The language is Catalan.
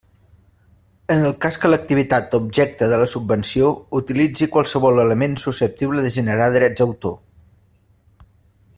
En el cas que l'activitat objecte de la subvenció utilitzi qualsevol element susceptible de generar drets d'autor.